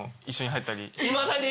いまだに？